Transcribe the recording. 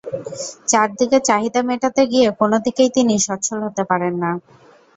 চারদিকের চাহিদা মেটাতে গিয়ে কোনো দিকেই তিনি সচ্ছল হতে পারেন না।